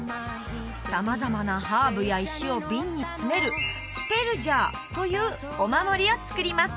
様々なハーブや石を瓶に詰めるスペルジャーというお守りを作ります